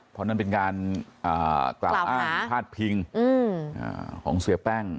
เพราะนั่นเป็นการกล่าวอ้างพาดพิงของเสียแป้ง